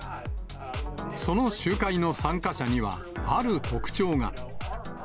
その集会の参加者には、ある特徴が。